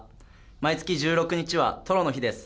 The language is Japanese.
毎月１６日はトロの日です。